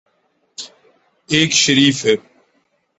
ایک شریف ہیں۔